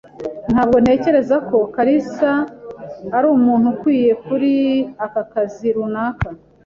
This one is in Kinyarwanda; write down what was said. Ntabwo ntekereza ko kalisa ari umuntu ukwiye kuri aka kazi runaka.